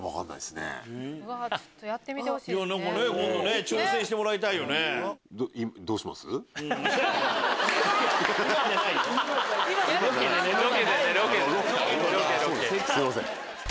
すいません。